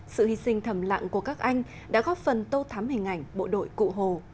sự hy sinh thầm lặng của các anh đã góp phần tô thám hình ảnh bộ đội cụ hồ